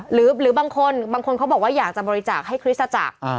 หรือบางคนบางคนเขาบอกว่าอยากจะบริจาคให้คริสตจักร